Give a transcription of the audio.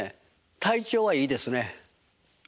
体調はいいですね。